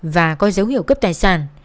và có dấu hiệu cấp tài sản